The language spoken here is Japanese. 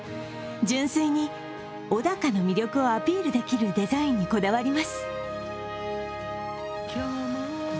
純粋に小高の魅力をアピールできるデザインにこだわります。